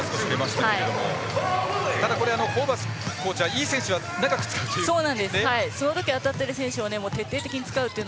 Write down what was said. ただ、ホーバスコーチはいい選手を長く使うという。